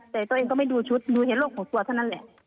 แต่ตัวเองก็ไม่ดูชุดดูเห็นโลก๖ตัวเท่านั้นแหละ